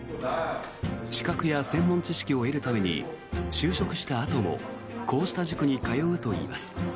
資格や専門知識を得るために就職したあともこうした塾に通うといいます。